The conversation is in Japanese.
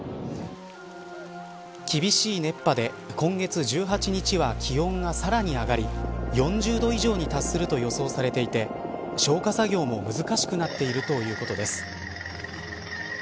厳しい熱波で今月１８日は気温がさらに上がり４０度以上に達すると予想されていて消火作業も難しくなっているということです。